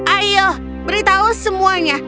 ayo beritahu semuanya